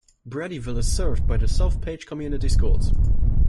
Braddyville is served by the South Page Community Schools.